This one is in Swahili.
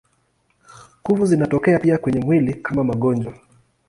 Kuvu zinatokea pia kwenye mwili kama magonjwa.